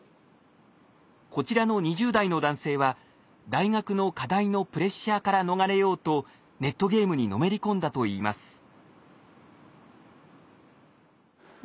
こちらの２０代の男性は大学の課題のプレッシャーから逃れようとネットゲームにのめり込んだといいます。